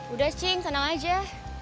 udah cing seneng aja